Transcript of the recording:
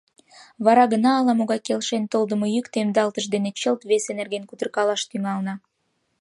Вара гына ала-могай келшен толдымо йӱк темдалтыш дене чылт весе нерген кутыркалаш тӱҥална.